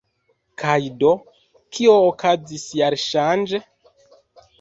Kaj do, kio okazis jarŝanĝe?